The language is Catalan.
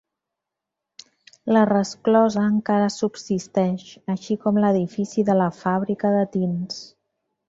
La resclosa encara subsisteix, així com l'edifici de la fàbrica de tints.